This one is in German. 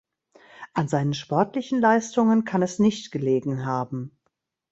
An seinen sportlichen Leistungen kann es nicht gelegen haben.